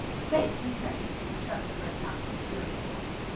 'Make thee ready!' shouted the Red Knight in a furious voice.